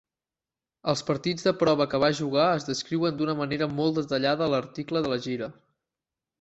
Els partits de prova que va jugar es descriuen d'una manera molt detallada a l'article de la gira.